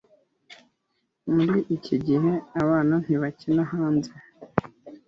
Muri iki gihe abana ntibakina hanze